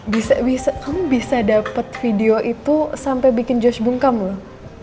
bisa bisa kamu bisa dapet video itu sampe bikin josh bungkam loh